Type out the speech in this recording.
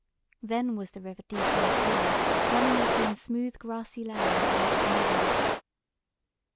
Then was the river deep and clear, running between smooth grassy land like to meadows.